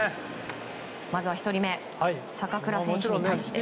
まずは１人目坂倉選手に対して。